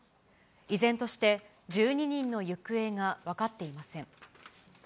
依然として、１２人の行方が分かっていません。